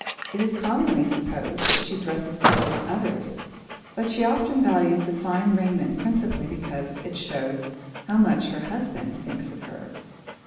It is commonly supposed that she dresses to please others, but she often values fine raiment principally because it shows how much her husband thinks of her.